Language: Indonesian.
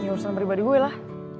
urusan pribadi gue lah